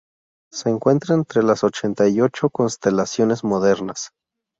Se cuenta entre las ochenta y ocho constelaciones modernas.